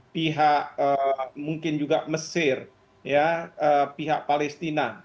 pihak mungkin juga mesir pihak palestina